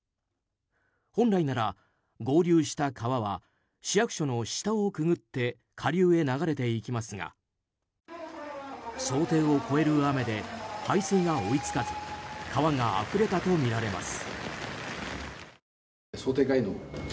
本来なら合流した川は市役所の下をくぐって下流へ流れていきますが想定を超える雨で排水が追い付かず川があふれたとみられます。